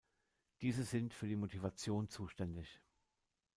Diese sind für die Motivation zuständig.